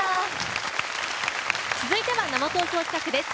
続いては、生投票企画です。